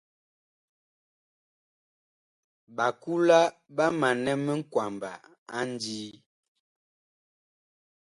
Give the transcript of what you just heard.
Ɓakula ɓa manɛ minkwaba a ndii.